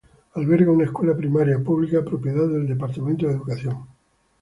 Alberga una escuela primaria pública, propiedad del Departamento de Educación.